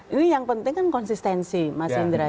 ini yang penting kan konsistensi mas indra